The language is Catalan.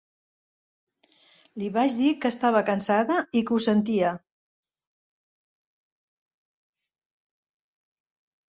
Li vaig dir que estava cansada, i que ho sentia.